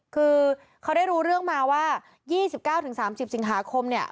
คือเขาได้รู้เรื่องมาว่า๒๙๓๐สิงหาคมเนี่ย